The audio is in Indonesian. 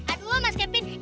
aduh mas kevin